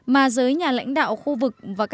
mà giới nhà lãnh đạo khu vực